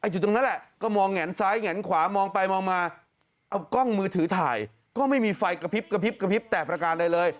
อยู่ตรงนั้นแหละก็มองแงนซ้ายแงนขวามองไปมองมาเอากล้องมือถือถ่ายก็ไม่มีไฟกระพริบกระพริบกระพริบแตกประการใดเลย